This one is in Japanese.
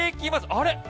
あれ？